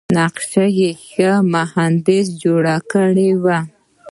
نقشه یې ښه مهندس جوړه کړې وه.